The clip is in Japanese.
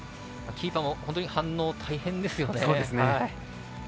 キーパーも本当に反応大変ですよね。